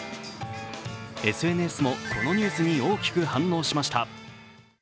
ＳＮＳも、このニュースに大きく反応しました。